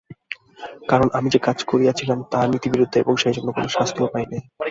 কারণ, আমি যে কাজ করিয়াছিলাম তাহা নীতিবিরুদ্ধ এবং সেজন্য কোনো শাস্তিও পাই নাই।